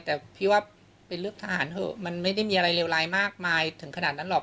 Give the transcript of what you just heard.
แต่พี่ว่าเป็นเรื่องทหารเถอะมันไม่ได้มีอะไรเลวร้ายมากมายถึงขนาดนั้นหรอก